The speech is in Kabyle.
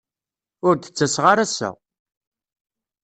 Ur d-ttaseɣ ara assa.